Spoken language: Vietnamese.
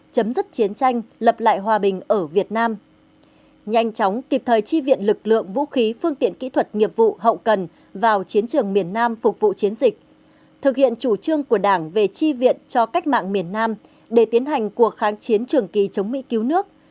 chấm dứt chiến tranh lập lại hòa bình ở việt nam nhanh chóng kịp thời chi viện lực lượng vũ khí phương tiện kỹ thuật nghiệp vụ hậu cần vào chiến trường miền nam phục vụ chiến dịch thực hiện chủ trương của đảng về chi viện cho cách mạng miền nam để tiến hành cuộc kháng chiến trường kỳ chống mỹ cứu nước